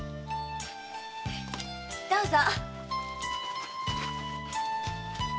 どうぞ。